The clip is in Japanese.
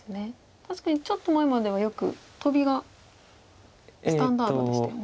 確かにちょっと前まではよくトビがスタンダードでしたよね。